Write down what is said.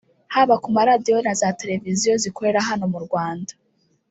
haba ku maradiyo na za televiziyo zikorera hano mu Rwanda